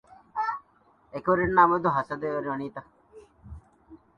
އެކުވެރިންނާ މެދު ހަސަދަވެރި ވަނީތަ؟